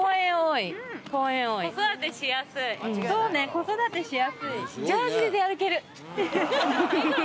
子育てしやすい。